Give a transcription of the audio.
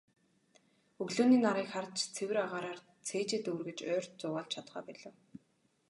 Өглөөний нарыг харж, цэвэр агаараар цээжээ дүүргэж, ойд зугаалж чадахаа болив.